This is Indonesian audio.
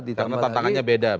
karena tantangannya beda